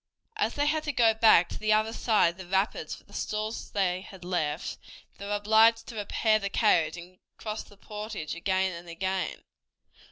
As they had to go back to the other side of the rapids for the stores they had left, they were obliged to repair the carriage and cross the portage again and again.